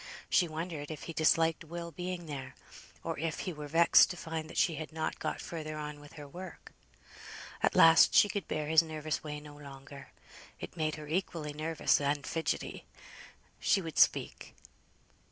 She wondered if he disliked Will being there; or if he were vexed to find that she had not got further on with her work. At last she could bear his nervous way no longer, it made her equally nervous and fidgetty. She would speak.